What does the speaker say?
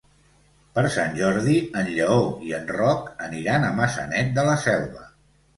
Per Sant Jordi en Lleó i en Roc aniran a Maçanet de la Selva.